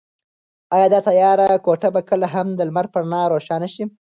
ایا دا تیاره کوټه به کله هم د لمر په رڼا روښانه شي؟